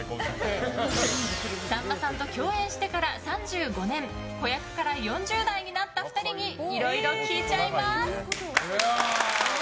さんまさんと共演してから３５年子役から４０代になった２人にいろいろ聞いちゃいます。